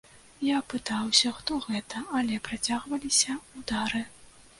Я пытаўся, хто гэта, але працягваліся ўдары.